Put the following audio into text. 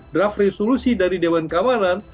draft resolusi dari dewan kawanan